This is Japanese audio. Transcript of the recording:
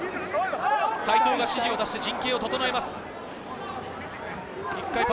齋藤が指示を出して陣形を整えます。